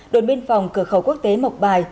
đồn biên phòng cửa khẩu quốc tế mộc bài